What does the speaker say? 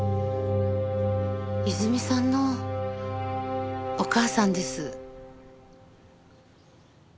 泉さんのお母さんです。